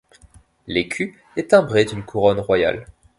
L'écu est timbré d'une couronne royale.